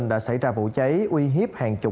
đã xảy ra vụ cháy uy hiếp hàng chục